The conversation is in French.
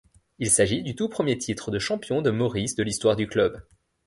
Il s'agit du tout premier titre de champion de Maurice de l'histoire du club.